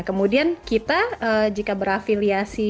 kemudian kita jika berafiliasi